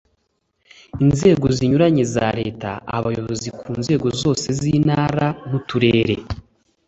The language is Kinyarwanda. inzego zinyuranye za leta; abayobozi ku nzego zose z'intara n'uturere